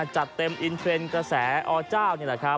จัดเต็มอินเทรนกระแสอเจ้า